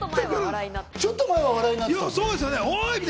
ちょっと前は笑いになってた。